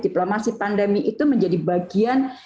diplomasi pandemi itu menjadi bagian